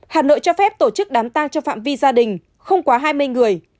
hà nội cho phép tổ chức đám tang trong phạm vi gia đình không quá hai mươi người